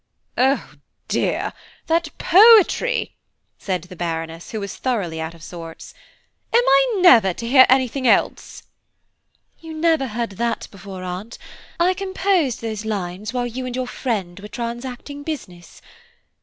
"Oh dear, that poetry!" said the Baroness, who was thoroughly out of sorts, "am I never to hear anything else?" "You never heard that before, Aunt. I composed those lines while you and your friend were transacting business.